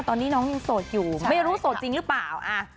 ตอนนี้น้องยังโสดอยู่ไม่รู้โสดจริงหรือเปล่า